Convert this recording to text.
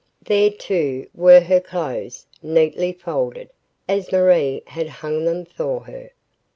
There, too, were her clothes, neatly folded, as Marie had hung them for her.